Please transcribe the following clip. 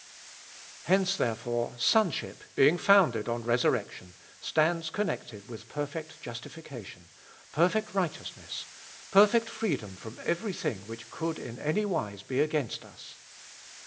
(Col. ii. 13.) Hence, therefore, sonship, being founded on resurrection, stands connected with perfect justification, perfect righteousness, perfect freedom from every thing which could, in any wise, be against us.